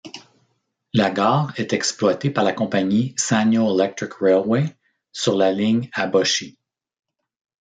La gare est exploitée par la compagnie Sanyo Electric Railway, sur la ligne Aboshi.